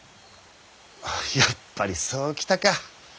やっぱりそう来たか。